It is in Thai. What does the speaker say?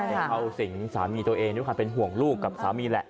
เขาสิ่งสามีเธอเองบริการเป็นห่วงลูกกับสามีแหละ